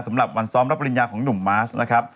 สำหรับวันซ้อมรับปริญญาของหนุ่มมาสนะครับ